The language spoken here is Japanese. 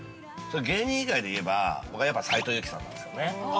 ◆芸人以外で言えば、僕はやっぱ斉藤由貴さんなんですけどね。